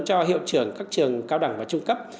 cho hiệu trưởng các trường cao đẳng và trung cấp